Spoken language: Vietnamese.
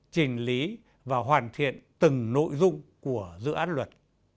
chỉnh lý và hoàn thiện từng nội dung của dự án luật